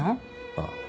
ああ。